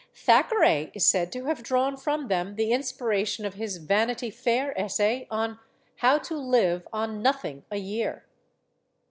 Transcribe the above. Thackeray is said to have drawn from them the in spiration of his "Vanity Fair" essay on "How to Live on Nothing a Year."